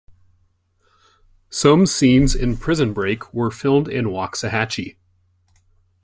Some scenes in "Prison Break" were filmed in Waxahachie.